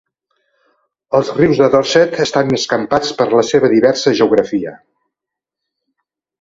Els rius de Dorset estan escampats per la seva diversa geografia.